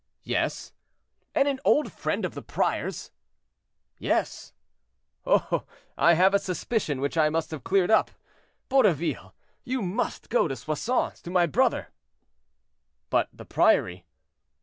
"Yes." "And an old friend of the prior's?" "Yes." "Oh! I have a suspicion which I must have cleared up. Borroville, you must go to Soissons, to my brother—" "But the priory?"